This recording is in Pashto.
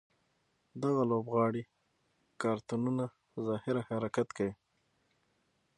دغه لوبغاړي کارتونونه په ظاهره حرکت کوي.